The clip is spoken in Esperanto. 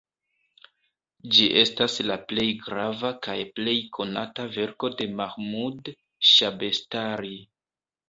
Ĝi estas la plej grava kaj plej konata verko de Mahmud Ŝabestari.